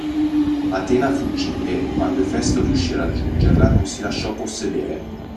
Atena fuggì e, quando Efesto riuscì a raggiungerla, non si lasciò possedere.